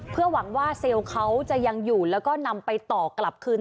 เพื่อหวังว่าเซลล์เขาจะยังอยู่แล้วก็นำไปต่อกลับคืน